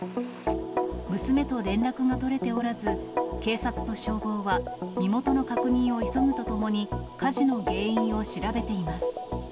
娘と連絡が取れておらず、警察と消防は身元の確認を急ぐとともに、火事の原因を調べています。